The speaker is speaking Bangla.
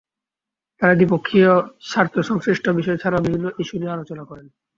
তাঁরা দ্বিপক্ষীয় স্বার্থ সংশ্লিষ্ট বিষয় ছাড়াও বিভিন্ন ইস্যু নিয়ে আলোচনা করেন।